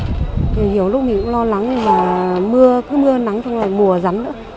nhiều lúc mình cũng lo lắng là mưa cứ mưa nắng xong rồi mùa rắn nữa